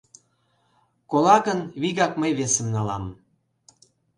Кола гын, вигак мый весым налам.